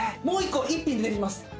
もう一個一品出てきます。